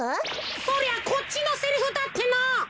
そりゃこっちのセリフだっての！